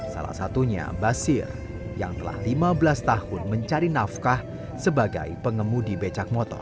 salah satunya basir yang telah lima belas tahun mencari nafkah sebagai pengemudi becak motor